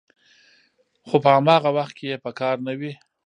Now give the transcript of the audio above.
خو په هماغه وخت کې یې په کار نه وي